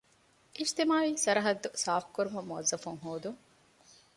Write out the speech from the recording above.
އިޖުތިމާޢީ ސަރަހައްދު ސާފުކުރުމަށް މުވައްޒަފުން ހޯދުން